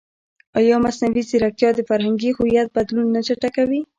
ایا مصنوعي ځیرکتیا د فرهنګي هویت بدلون نه چټکوي؟